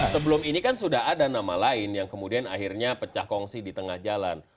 sebelum ini kan sudah ada nama lain yang kemudian akhirnya pecah kongsi di tengah jalan